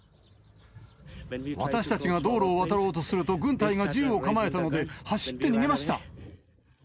私たちが道路を渡ろうとすると、軍隊が銃を構えたので、走って逃げました。